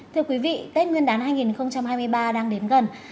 thưa quý vị tết nguyên đán hai nghìn hai mươi ba đang đến gần